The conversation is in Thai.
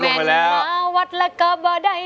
เบิ้งคงยังผ่านไป